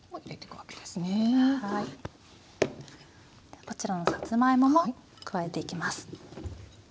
こちらのさつまいもも加えていきます。